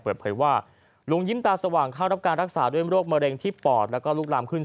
เปิดเผยว่าลุงยิ้มตาสว่างเข้ารับการรักษาด้วยโรคมะเร็งที่ปอดแล้วก็ลุกลามขึ้น